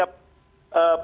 karena itu setelah itu ya